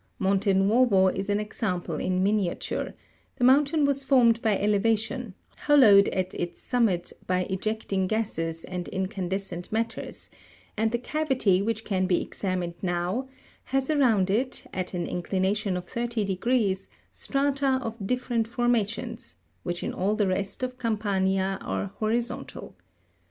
Monte Nuovo is an exam ple in miniature : the mountain was formed by elevation, hollowed at its summit by ejecting gases and incandescent matters ; and the cavity, which can be examined now, has around it, at an inclination of thirty degrees, strata of different formations, which in all the rest of Campa'nia are horizontal.